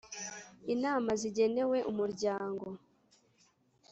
Inama zigenewe umuryango